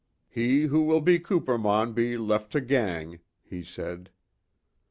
"He who will to Cupar maun be left to gang," he said.